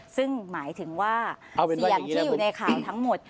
ซึ่งหมายถึงว่าเสียงที่อยู่ในข่าวทั้งหมด